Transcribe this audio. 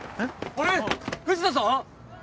あれ藤田さん！？